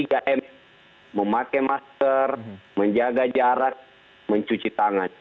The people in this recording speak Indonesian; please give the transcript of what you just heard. tiga m memakai masker menjaga jarak mencuci tangan